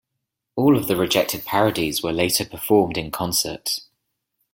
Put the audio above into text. All of the rejected parodies were later performed in concert.